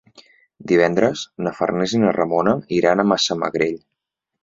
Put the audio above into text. Divendres na Farners i na Ramona iran a Massamagrell.